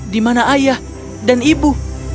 di mana ayah dan ibu